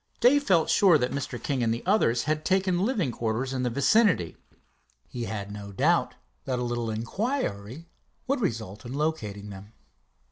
Dave felt sure that Mr. King and the others had taken living quarters in the vicinity. He had no doubt that a little inquiry would result in locating them.